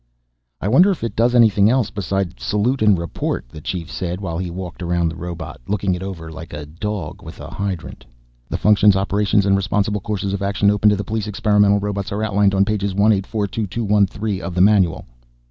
"I wonder if it does anything else beside salute and report," the Chief said while he walked around the robot, looking it over like a dog with a hydrant. "The functions, operations and responsible courses of action open to the Police Experimental Robots are outlined on pages 184 to 213 of the manual."